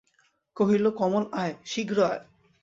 কহিল, কমল, আয়, শীঘ্র আয়।